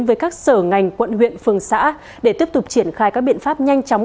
với các sở ngành quận huyện phường xã để tiếp tục triển khai các biện pháp nhanh chóng